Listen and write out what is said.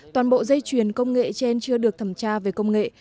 toàn bộ dây chuyền công nghệ trên chưa được thẩm tra về công nghệ